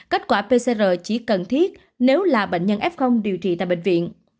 kết quả pcr chỉ cần thiết nếu là bệnh nhân f điều trị tại bệnh viện